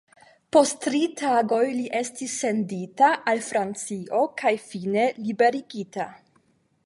Post tri tagoj li estis sendita al Francio kaj fine liberigita.